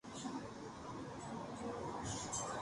En ambos casos abandonó tempranamente por fallas mecánicas.